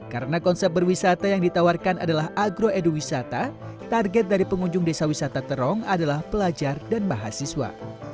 karena konsep berwisata yang ditawarkan adalah agro eduwisata target dari pengunjung desa wisata terong adalah pelajar dan mahasiswa